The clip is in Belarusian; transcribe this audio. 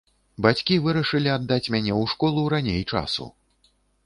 Бацькі вырашылі аддаць мяне ў школу раней часу.